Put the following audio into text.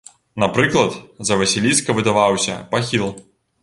Напрыклад, за васіліска выдаваўся пахіл.